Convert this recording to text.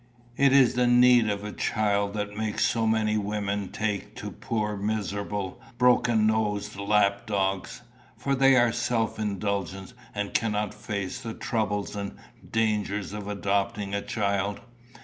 It is the need of a child that makes so many women take to poor miserable, broken nosed lap dogs; for they are self indulgent, and cannot face the troubles and dangers of adopting a child.